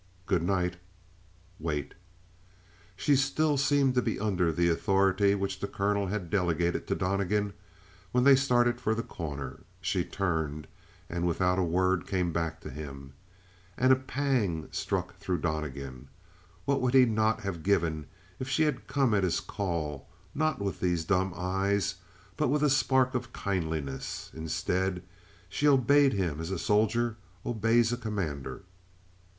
"Good night." "Wait." She still seemed to be under the authority which the colonel had delegated to Donnegan when they started for The Corner. She turned, and without a word came back to him. And a pang struck through Donnegan. What would he not have given if she had come at his call not with these dumb eyes, but with a spark of kindliness? Instead, she obeyed him as a soldier obeys a commander.